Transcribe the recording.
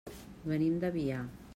Venim de Biar.